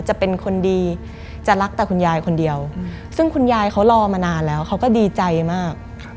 จะเป็นคนดีจะรักแต่คุณยายคนเดียวซึ่งคุณยายเขารอมานานแล้วเขาก็ดีใจมาก